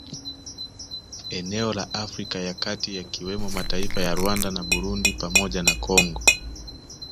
Eneo la Afrika ya kati yakiwemo mataifa ya Rwanda na Burundi pamoja na Congo